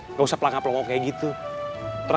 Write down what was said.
ini masuk inilah rumah kita